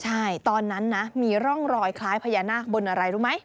ใช่ตอนนั้นนะมีร่องรอยคล้ายพญานาคบนอะไรรู้ไหม